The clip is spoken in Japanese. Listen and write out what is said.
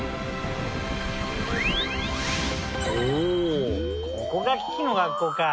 おおここがキキの学校か。